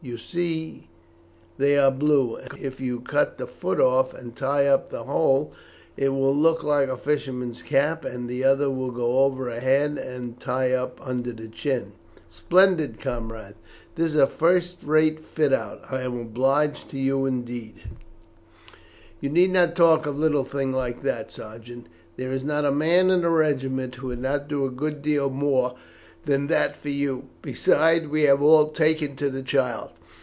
You see they are blue, and if you cut the foot off and tie up the hole it will look like a fisherman's cap, and the other will go over her head and tie up under her chin." "Splendid, comrade! That is a first rate fit out. I am obliged to you indeed." "You need not talk of a little thing like that, Sergeant. There is not a man in the regiment who would not do a good deal more than that for you: besides we have all taken to the child.